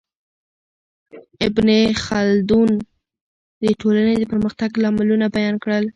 ابن خلدون د ټولنې د پرمختګ لاملونه بیان کړل.